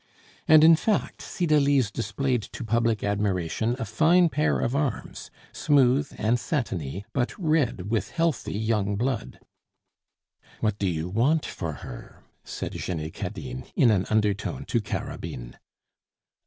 And, in fact, Cydalise displayed to public admiration a fine pair of arms, smooth and satiny, but red with healthy young blood. "What do you want for her?" said Jenny Cadine, in an undertone to Carabine.